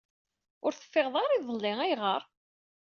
Ur teffiɣeḍ ara iḍelli. Ayɣer?